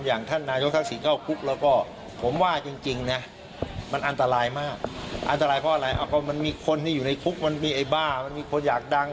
อันตรายเพราะอะไรมันมีคนที่อยู่ในคุกมันมีไอ้บ้ามันมีคนอยากดัง